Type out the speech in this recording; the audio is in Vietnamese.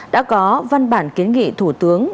đã có văn bản kiến nghị thủ tướng